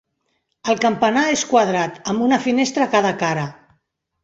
El campanar és quadrat, amb una finestra a cada cara.